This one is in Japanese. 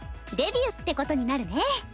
デビューってことになるね。